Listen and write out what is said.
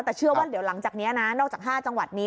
แต่เชื่อว่าเดี๋ยวหลังจากนี้นะนอกจาก๕จังหวัดนี้